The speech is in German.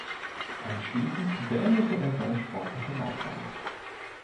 Anschließend beendete er seine sportliche Laufbahn.